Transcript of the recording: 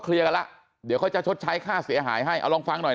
กันแล้วเดี๋ยวเขาจะชดใช้ค่าเสียหายให้เอาลองฟังหน่อย